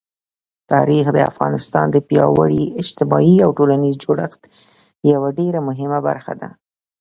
تاریخ د افغانستان د پیاوړي اجتماعي او ټولنیز جوړښت یوه ډېره مهمه برخه ده.